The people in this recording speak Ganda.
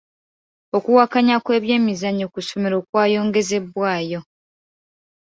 Okuwakanya kw'ebyemizannyo ku ssomero kwayongezebwayo.